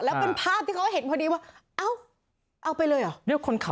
แล้วเป็นภาพที่เขาเห็นพอดีว่าเอ้าเอาไปเลยเหรอ